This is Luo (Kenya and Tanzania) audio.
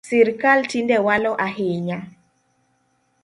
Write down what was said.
Sirkal tinde walo ahinya